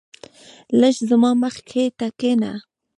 لږ زما مخی ته کينه